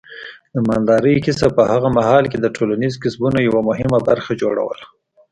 د مالدارۍ کسب په هغه مهال کې د ټولنیزو کسبونو یوه مهمه برخه جوړوله.